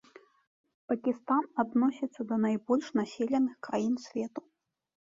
Пакістан адносіцца да найбольш населеных краін свету.